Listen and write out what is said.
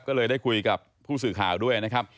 ก็เลยได้คุยกับผู้สื่อข่าวด้วยนะครับ